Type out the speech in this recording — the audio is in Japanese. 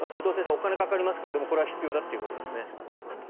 お金がかかりますがでもこれは必要だということですね。